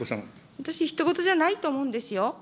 私、ひと事じゃないと思うんですよ。